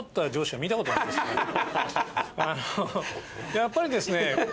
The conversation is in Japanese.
やっぱりですね